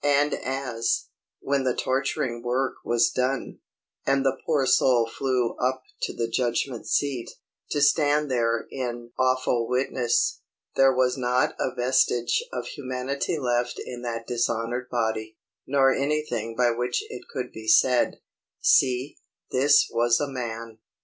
And as, when the torturing work was done, and the poor soul flew up to the judgment seat, to stand there in awful witness, there was not a vestige of humanity left in that dishonored body, nor anything by which it could be said, "See, this was a man!"